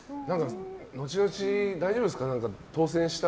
後々、大丈夫ですか。